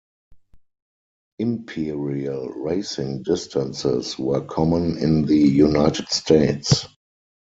Imperial racing distances were common in the United States.